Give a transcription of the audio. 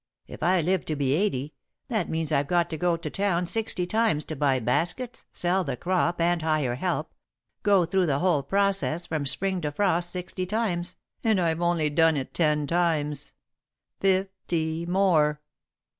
If I live to be eighty, that means I've got to go to town sixty times to buy baskets, sell the crop, and hire help go through the whole process from Spring to frost sixty times, and I've only done it ten times. Fifty more!